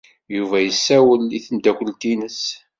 Yuba yessawel i temeddakult-ines.